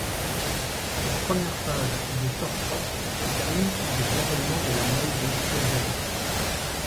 La première phase de Torfrock se termine avec l'avènement de la Neue Deutsche Welle.